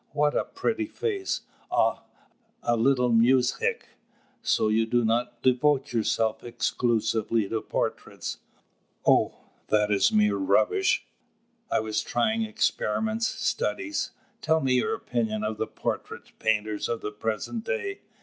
What a pretty face! Ah! a little muzhik! So you do not devote yourself exclusively to portraits?" "Oh! that is mere rubbish. I was trying experiments, studies." "Tell me your opinion of the portrait painters of the present day.